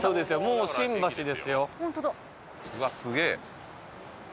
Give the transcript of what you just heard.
うわっすげえ